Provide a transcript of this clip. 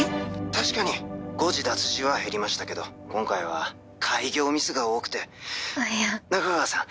☎確かに☎誤字脱字は減りましたけど☎今回は改行ミスが多くてあっいや☎仲川さん